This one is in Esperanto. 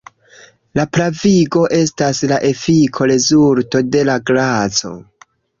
La pravigo estas la efiko-rezulto de la graco.